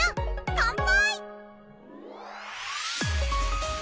乾杯！